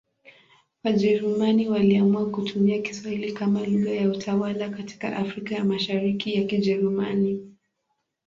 Wajerumani waliamua kutumia Kiswahili kama lugha ya utawala katika Afrika ya Mashariki ya Kijerumani.